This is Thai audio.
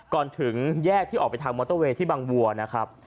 ก่อนถึงแยกที่ออกไปทางมอเตอร์เวย์ที่บางวัวนะครับ